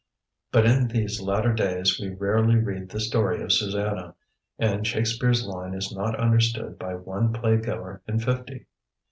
But in these latter days we rarely read the story of Susanna, and Shakespeare's line is not understood by one play goer in fifty.